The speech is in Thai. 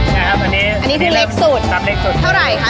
ใช่ครับอันนี้อันนี้คือเล็กสุดครับเล็กสุดเท่าไหร่คะ